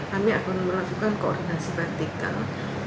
kami akan melakukan koordinasi vertikal